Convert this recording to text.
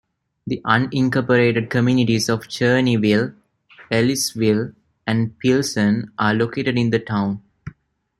The unincorporated communities of Cherneyville, Ellisville, and Pilsen are located in the town.